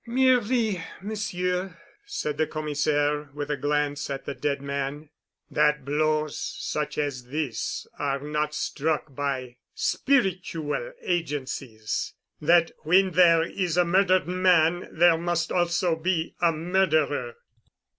"Merely, Monsieur," said the Commissaire with a glance at the dead man, "that blows such as this are not struck by spiritual agencies, that when there is a murdered man there must also be a murderer.